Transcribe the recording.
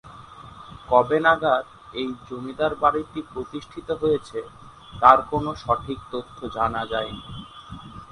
কবে নাগাদ এই জমিদার বাড়িটি প্রতিষ্ঠিত হয়েছে তার কোনো সঠিক তথ্য জানা যায়নি।